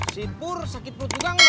sipur sakit perut juga